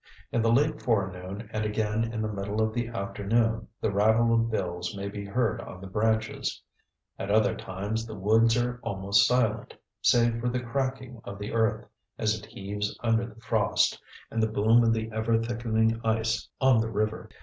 In the late forenoon and again in the middle of the afternoon the rattle of bills may be heard on the branches; at other times the woods are almost silent, save for the cracking of the earth as it heaves under the frost, and the boom of the ever thickening ice on the river.